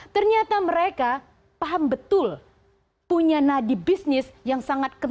ternyata mereka paham betul punya nadi bisnis yang sangat ketat